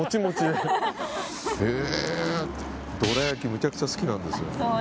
めちゃくちゃ好きなんですよ。